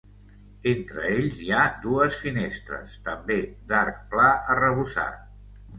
Entre ells hi ha dues finestres també d'arc pla arrebossat.